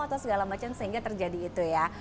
atau segala macam sehingga terjadi itu ya